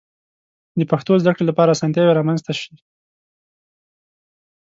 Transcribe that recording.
د پښتو د زده کړې لپاره آسانتیاوې رامنځته شي.